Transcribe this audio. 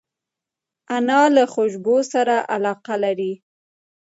انا له خوشبو سره علاقه لري